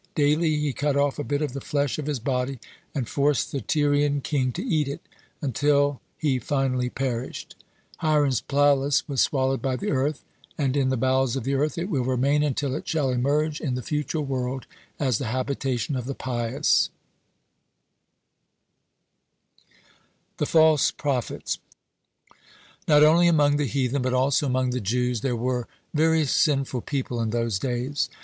Daily he cut off a bit of the flesh of his body, and forced the Tyrian king to eat it, until the finally perished. Hiram's palace was swallowed by the earth, and in the bowels of the earth it will remain until it shall emerge in the future world as the habitation of the pious. (105) THE FALSE PROPHETS Not only among the heathen, but also among the Jews there were very sinful people in those days.